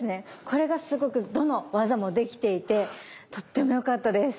これがすごくどの技もできていてとっても良かったです。